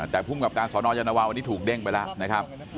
แต่ภูมิกับการสนวาวันนี้ถูกเด้งไปแล้วนะครับ